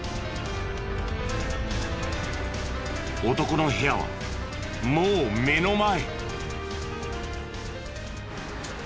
男の部屋はもう目の前。